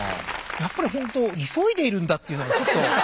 やっぱりほんと急いでいるんだっていうのがちょっと。